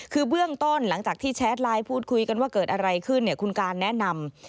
คือเบื้องต้นหลังจากที่แชทไลน์พูดคุยกันว่าเกิดอะไรขึ้นเนี่ยคุณการแนะนำ